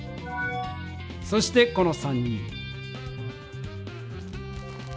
そしてこの３人。